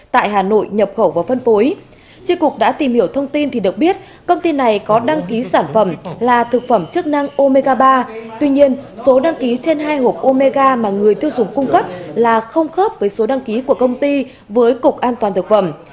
tuy nhiên số đăng ký trên hai hộp omega mà người tiêu dùng cung cấp là không khớp với số đăng ký của công ty với cục an toàn thực phẩm